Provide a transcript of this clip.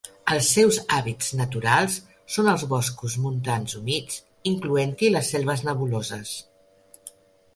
Els seus hàbitats naturals són els boscos montans humits, incloent-hi les selves nebuloses.